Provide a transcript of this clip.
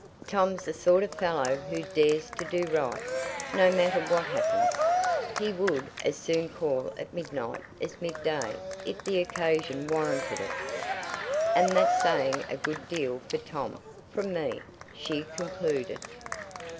"Tom's the sort of fellow who dares to do right, no matter what happens. He would as soon call at midnight as midday, if the occasion warranted it. And that's saying a good deal for Tom from me," she concluded.